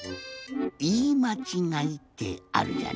いいまちがいってあるじゃない？